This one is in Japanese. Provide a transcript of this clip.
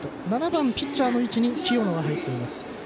７番ピッチャーの位置に清野が入っています。